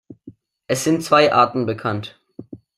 Es sind zwei Arten bekannt.